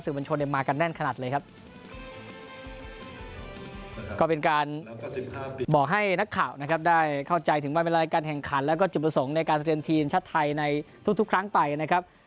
มากันแน่นขนาดเลยครับก็เป็นการบอกให้นักข่าวนะครับได้เข้าใจถึงวันเวลาการแข่งขันแล้วก็จุดประสงค์ในการเตรียมทีมชาติไทยในทุกทุกครั้งไปนะครับ